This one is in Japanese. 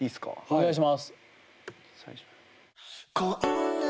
お願いします。